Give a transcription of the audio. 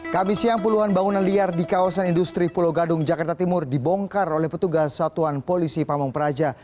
kami siang puluhan bangunan liar di kawasan industri pulau gadung jakarta timur dibongkar oleh petugas satuan polisi pamung praja